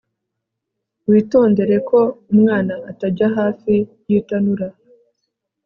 witondere ko umwana atajya hafi y'itanura